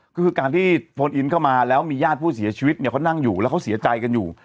ก็คือการที่โฟนอินเข้ามาแล้วมีญาติผู้เสียชีวิตเนี่ยเขานั่งอยู่แล้วเขาเสียใจกันอยู่